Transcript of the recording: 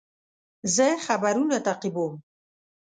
زه خبرونه تعقیبوم.